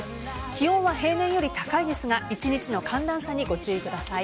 気温は平年より高いですが一日の寒暖差にご注意ください。